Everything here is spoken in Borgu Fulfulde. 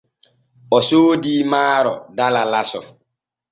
O soodii maaro dala laso.